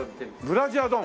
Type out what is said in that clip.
ブラジャー丼。